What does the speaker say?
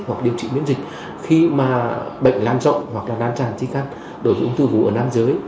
hoặc điều trị biến dịch khi mà bệnh lan rộng hoặc là lan tràn chí căn đối với ung thư vú ở nam giới